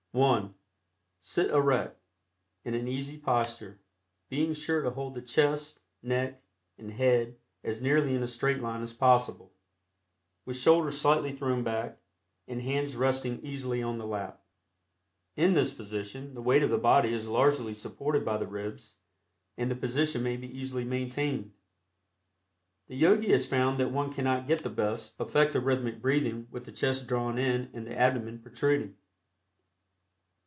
(1) Sit erect, in an easy posture, being sure to hold the chest, neck and head as nearly in a straight line as possible, with shoulders slightly thrown back and hands resting easily on the lap. In this position the weight of the body is largely supported by the ribs and the position may be easily maintained. The Yogi has found that one cannot get the best effect of rhythmic breathing with the chest drawn in and the abdomen protruding.